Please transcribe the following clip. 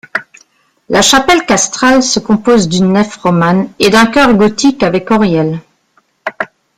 La chapelle castrale se compose d'une nef romane et d'un chœur gothique avec oriel.